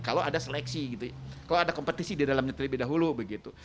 kalau ada seleksi gitu ya kalau ada kompetisi di dalamnya terlebih dahulu begitu